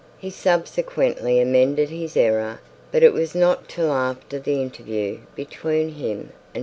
He subsequently attended his error; but it was not till after the interview with him and Mr Harding.